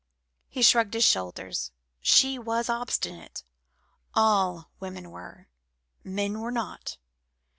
He shrugged his shoulders. She was obstinate; all women were. Men were not.